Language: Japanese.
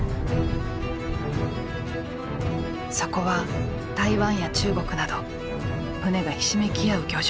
そこは台湾や中国など船がひしめき合う漁場。